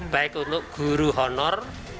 baik untuk guru honor